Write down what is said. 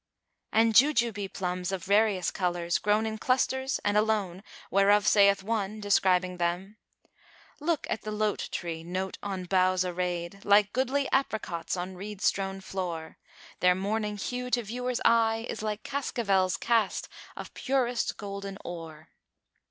And jujube plums of various colours, grown in clusters and alone whereof saith one, describing them, "Look at the Lote tree, note on boughs arrayed * Like goodly apricots on reed strown floor,[FN#400] Their morning hue to viewer's eye is like * Cascavels[FN#401] cast of purest golden ore."